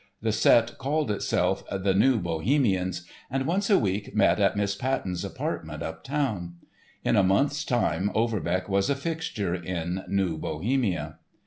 The set called itself the "New Bohemians," and once a week met at Miss Patten's apartment up town. In a month's time Overbeck was a fixture in "New Bohemia."